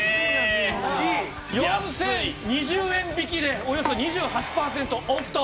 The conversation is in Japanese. ４０２０円引きでおよそ２８パーセントオフと。